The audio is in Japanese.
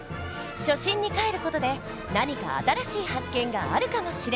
初心にかえる事で何か新しい発見があるかもしれない！